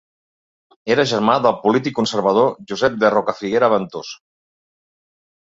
Era germà del polític conservador Josep de Rocafiguera Ventós.